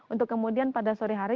untuk kemudian pada sore hari